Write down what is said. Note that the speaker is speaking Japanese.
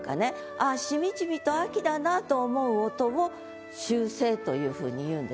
ああしみじみと秋だなと思う音を「秋声」というふうにいうんです。